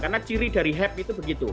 karena ciri dari happ itu begitu